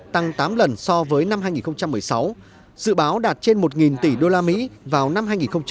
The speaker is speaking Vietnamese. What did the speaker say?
tăng tám lần so với năm hai nghìn một mươi sáu dự báo đạt trên một tỷ usd vào năm hai nghìn hai mươi